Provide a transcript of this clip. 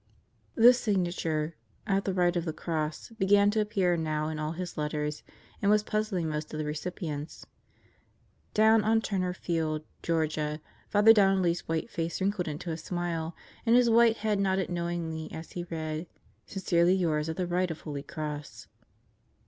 This signature "At the right of the Cross" began to appear now in all his letters and was puzzling most of the recipients. Down on Turner Field, Georgia, Father Donnelly's white face wrinkled into a smile and his white head nodded knowingly as he read: "Sincerely yours at the right of Holy Cross."